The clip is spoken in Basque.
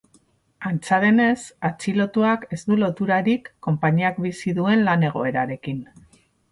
Antza denez, atxilotuak ez du loturarik konpainiak bizi duen lan egoerarekin.